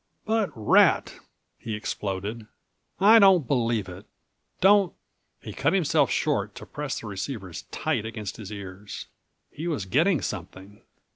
But rat!" he exploded, "I don't believe it. Don't—" He cut himself short to press the receivers tight against his ears. He was getting something.